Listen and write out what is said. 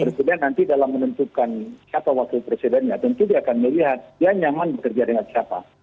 presiden nanti dalam menentukan siapa wakil presidennya tentu dia akan melihat dia nyaman bekerja dengan siapa